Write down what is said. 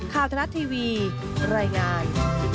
ข้าวทะลัดทีวีรายงาน